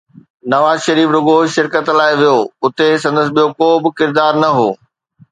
نواز شريف رڳو شرڪت لاءِ ويو، اتي سندس ٻيو ڪو به ڪردار نه هو.